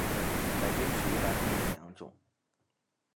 改编曲一般分为两种。